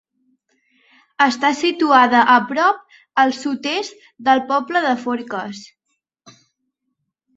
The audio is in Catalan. Està situada a prop al sud-est del poble de Forques.